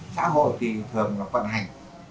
xã hội thì thường là vận hành